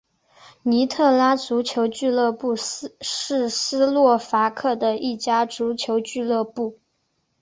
尼特拉足球俱乐部是斯洛伐克的一家足球俱乐部。